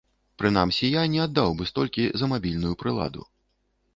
Прынамсі, я не аддаў бы столькі за мабільную прыладу.